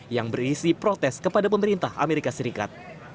yang berisi protes kepada pemerintah amerika serikat